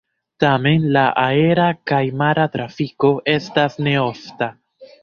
Tamen la aera kaj mara trafiko estas ne ofta.